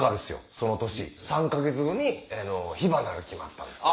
その年３か月後に『火花』が決まったんですよ。